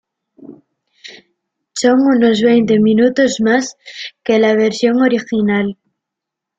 Son unos veinte minutos más que la versión original.